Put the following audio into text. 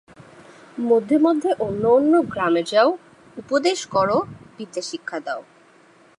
মধ্যে মধ্যে অন্য অন্য গ্রামে যাও, উপদেশ কর, বিদ্যা শিক্ষা দাও।